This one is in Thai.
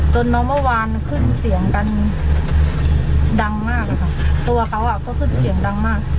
น้องเมื่อวานขึ้นเสียงกันดังมากอะค่ะตัวเขาก็ขึ้นเสียงดังมาก